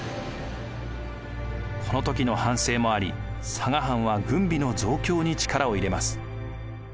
この時の反省もあり佐賀藩は軍備の増強に力を入れます。